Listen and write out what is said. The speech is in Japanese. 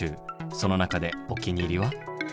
その中でお気に入りは？